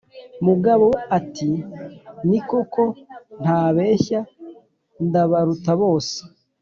mugabo ati“ni koko ntabeshya ndabaruta bose.”